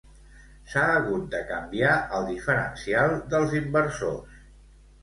S'ha hagut de canviar el diferencial dels inversors